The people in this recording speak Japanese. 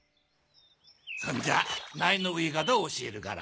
そんじゃ苗の植え方教えるから。